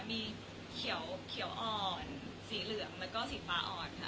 มีเขียวอ่อนสีเหลืองแล้วก็สีฟ้าอ่อนค่ะ